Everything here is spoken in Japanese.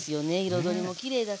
彩りもきれいだし。